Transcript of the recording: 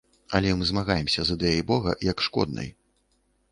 Але мы змагаемся з ідэяй бога як шкоднай.